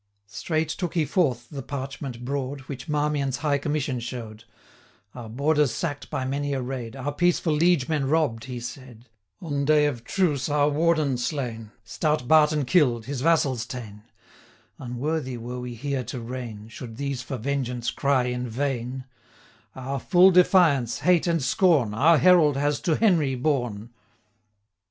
Straight took he forth the parchment broad, Which Marmion's high commission show'd: 'Our Borders sack'd by many a raid, 380 Our peaceful liege men robb'd,' he said; 'On day of truce our Warden slain, Stout Barton kill'd, his vessels ta'en Unworthy were we here to reign, Should these for vengeance cry in vain; 385 Our full defiance, hate, and scorn, Our herald has to Henry borne.'